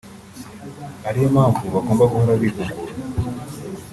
ariyo mpamvu bagomba guhora bihugura